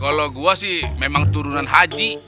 kalau gue sih memang turunan haji